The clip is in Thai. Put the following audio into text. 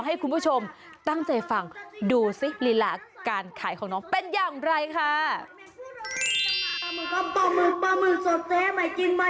ครับคุกเรท้าวสายผู้สดใหม่ของมันจะมาจำหน่ายนะครับ